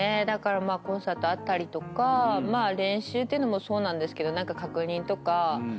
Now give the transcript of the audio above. だからコンサートあったりとかまあ練習っていうのもそうなんですけど何か確認とか。